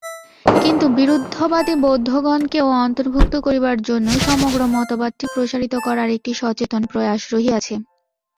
কিন্তু বিরুদ্ধবাদী বৌদ্ধগণকেও অন্তর্ভুক্ত করিবার জন্য সমগ্র মতবাদটি প্রসারিত করার একটি সচেতন প্রয়াস রহিয়াছে।